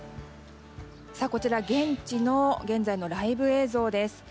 こちら、現地の現在のライブ映像です。